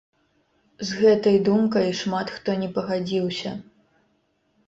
З гэтай думкай шмат хто не пагадзіўся.